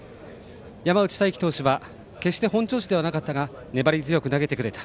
山内太暉投手は決して本調子ではなかったが粘り強く投げてくれた。